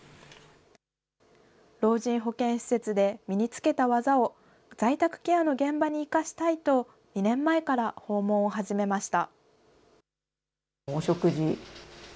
老人保健施設で身につけた技を、在宅ケアの現場に生かしたいと、２年前から訪問を始めました。